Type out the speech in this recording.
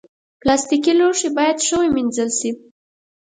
پلاستيکي لوښي باید ښه ومینځل شي.